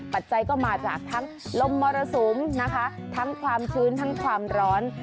ปัจจัยก็มาจากทั้งลมมรสุมนะคะทั้งความชื้นทั้งความร้อน